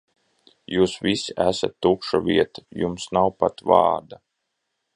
Jūs visi esat tukša vieta, jums nav pat vārda.